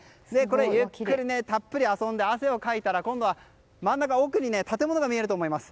ゆっくりたっぷり遊んで汗をかいたら今度は真ん中奥に建物が見えると思います。